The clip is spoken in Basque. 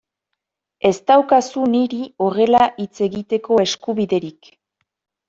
Ez daukazu niri horrela hitz egiteko eskubiderik.